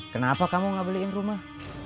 kenapa kamu gak beliin rumah